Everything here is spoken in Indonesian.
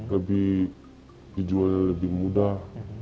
lebih dijualnya lebih mudah